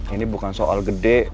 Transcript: ini bukan soal gede